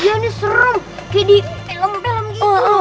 iya ini serem kayak di film film gitu